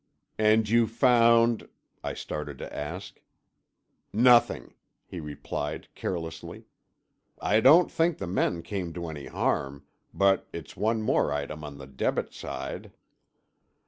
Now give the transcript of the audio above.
"And you found——" I started to ask. "Nothing," he replied carelessly. "I don't think the men came to any harm. But it's one more item on the debit side."